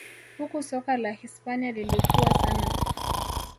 Huku soka la Hispania lilikua sana